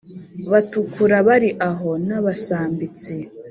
batukura bari aho n’abasambitsi